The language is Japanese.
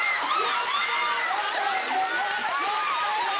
やったー！